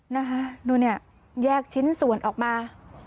นะคะดูเนี่ยแยกชิ้นส่วนออกมา